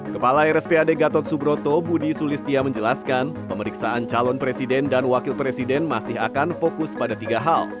kepala rspad gatot subroto budi sulistia menjelaskan pemeriksaan calon presiden dan wakil presiden masih akan fokus pada tiga hal